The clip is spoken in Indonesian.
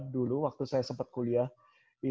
dulu waktu saya sempat kuliah saya sempat kuliah kema